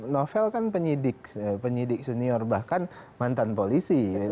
novel kan penyidik senior bahkan mantan polisi